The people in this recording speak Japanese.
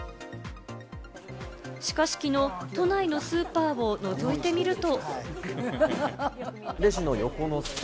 しかしきのう都内のスーパーを覗いてみると。